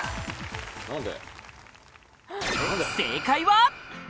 何で？